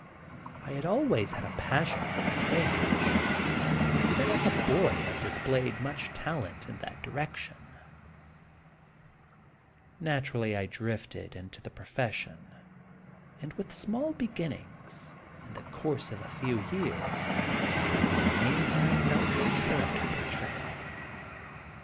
I had always had a pas sion for the stage, and even as a boy had dis played much talent in that direction ; natu rally I drifted into the profession, and with small beginnings, in the course of a few years, I made a name for myself in charac ter portrayal.